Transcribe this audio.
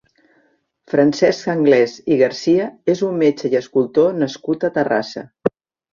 Francesc Anglès i Garcia és un metge i escultor nascut a Terrassa.